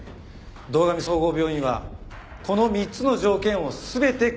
堂上総合病院はこの３つの条件を全てクリアしていました。